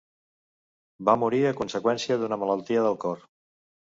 Va morir a conseqüència d'una malaltia del cor.